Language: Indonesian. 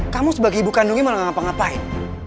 kamu sebagai ibu kandungnya malah gak ngapa ngapain